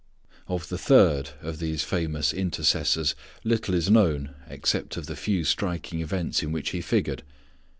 Of the third of these famous intercessors little is known except of the few striking events in which he figured.